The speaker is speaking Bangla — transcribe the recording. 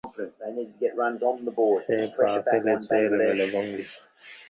সে পা ফেলছে এলোমেলো ভঙ্গিতে।